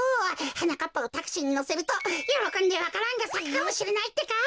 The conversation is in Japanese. はなかっぱをタクシーにのせるとよろこんでわか蘭がさくかもしれないってか！